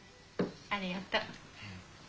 ありがとう。